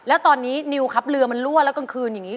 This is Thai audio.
แล้วตอนนี้นิวครับเรือมันรั่วแล้วกลางคืนอย่างนี้